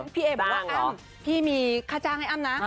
พี่เอบอกว่าอ้ำพี่มีค่าจ้างให้อ้ำนะ